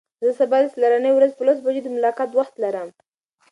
زه سبا د څلرنۍ ورځ په لسو بجو د ملاقات وخت لرم.